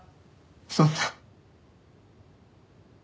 そんな。